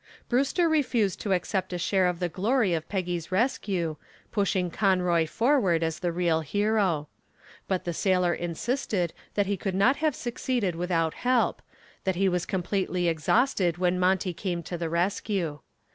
Brewster refused to accept a share of the glory of Peggy's rescue, pushing Conroy forward as the real hero. But the sailor insisted that he could not have succeeded without help, that he was completely exhausted when Monty came to the rescue.